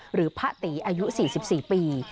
หรือพระตีอายุ๔๔ปี